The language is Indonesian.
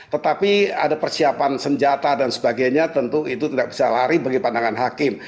tetapi ada persiapan senjata dan sebagainya tentu itu tidak bisa lari bagi pandangan hakim